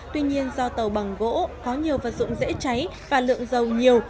tuy nhiên do tàu bằng gỗ có nhiều vật dụng dễ cháy và lượng dầu nhiều